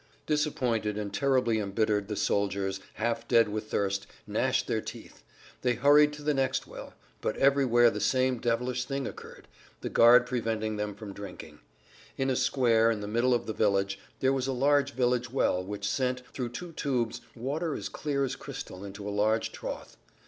Disappointed and terribly embittered the soldiers, half dead with thirst, gnashed their teeth; they hurried to the next well, but everywhere the same devilish thing occurred—the guard preventing them from drinking. In a square, in the middle of the village, there was a large village well which sent, through two tubes, water as clear as crystal into a large trough.